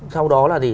sau đó là gì